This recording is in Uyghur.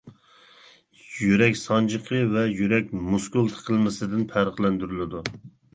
يۈرەك سانجىقى ۋە يۈرەك مۇسكۇل تىقىلمىسىدىن پەرقلەندۈرۈلىدۇ.